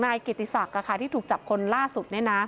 นายเกียรติศักดิ์ที่ถูกจับคนล่าสุด